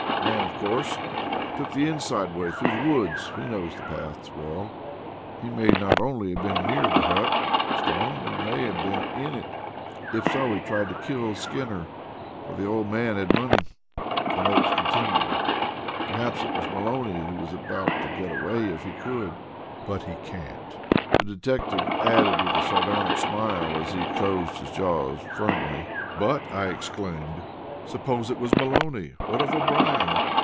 "Ran, of course took the inside way through the woods; he knows the paths well. He may not only have been near the hut, Stone, he may have been in it. If so, he tried to kill Skinner, for the old man had money." Then Oakes continued: "Perhaps it was Maloney who was about to get away, if he could. But he can't," the detective added with a sardonic laugh, as he closed his jaws firmly. "But," I exclaimed, "suppose it was Maloney, what of O'Brien?